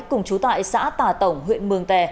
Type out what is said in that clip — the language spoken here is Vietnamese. cùng chú tại xã tà tổng huyện mường tè